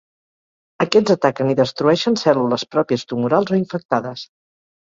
Aquests ataquen i destrueixen cèl·lules pròpies tumorals o infectades.